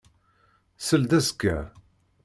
Seld azekka.